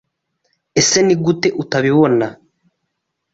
eseNigute utabibona?